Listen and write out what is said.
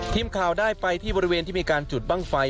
ทีมข่าวได้ไปที่บริเวณที่มีการจุดบ้างไฟ